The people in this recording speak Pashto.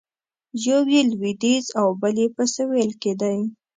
یو یې لویدیځ او بل یې په سویل کې دی.